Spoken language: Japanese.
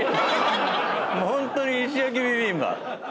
ホントに石焼ビビンバ。